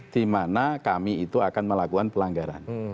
di mana kami itu akan melakukan pelanggaran